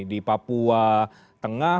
di papua tengah